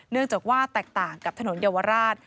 เนื่องจากว่าแตกต่างกับถนนเยาวราช